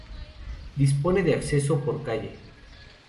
Dispone de acceso por calle.